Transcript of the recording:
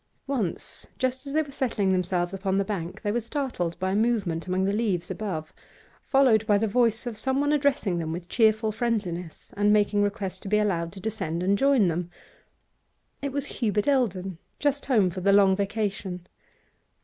Once, just as they were settling themselves upon the bank, they were startled by a movement among the leaves above, followed by the voice of someone addressing them with cheerful friendliness, and making request to be allowed to descend and join them. It was Hubert Eldon, just home for the long vacation.